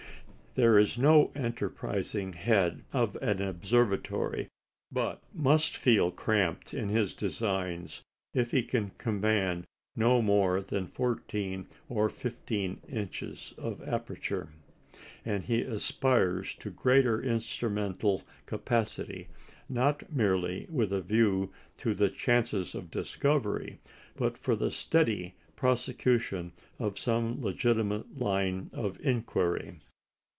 There is no enterprising head of an observatory but must feel cramped in his designs if he can command no more than 14 or 15 inches of aperture, and he aspires to greater instrumental capacity, not merely with a view to the chances of discovery, but for the steady prosecution of some legitimate line of inquiry.